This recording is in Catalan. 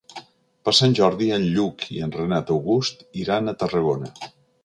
Per Sant Jordi en Lluc i en Renat August iran a Tarragona.